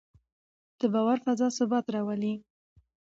د باور فضا ثبات راولي